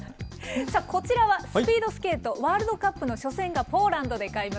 こちらは、スピードスケート、ワールドカップの初戦がポーランドで開幕。